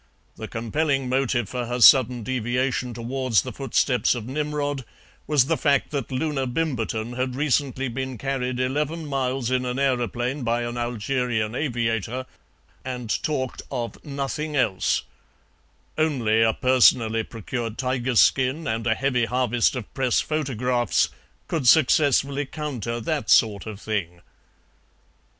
The compelling motive for her sudden deviation towards the footsteps of Nimrod was the fact that Loona Bimberton had recently been carried eleven miles in an aeroplane by an Algerian aviator, and talked of nothing else; only a personally procured tiger skin and a heavy harvest of Press photographs could successfully counter that sort of thing.